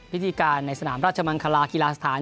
พิธีการในสนามราชมังคลากีฬาสถาน